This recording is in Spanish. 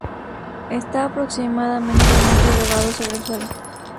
Está aproximadamente un metro elevado sobre el suelo.